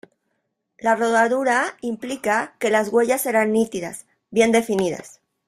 La rodadura implica que las huellas serán nítidas, bien definidas.